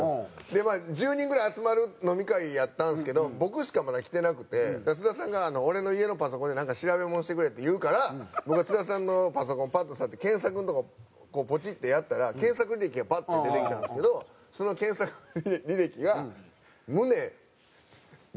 でまあ１０人ぐらい集まる飲み会やったんですけど僕しかまだ来てなくて津田さんが「俺の家のパソコンでなんか調べ物してくれ」って言うから僕が津田さんのパソコンパッと触って検索のとこポチッてやったら検索履歴がパッて出てきたんですけどその検索履歴が「胸」「胸チラ」